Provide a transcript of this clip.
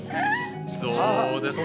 どうですか？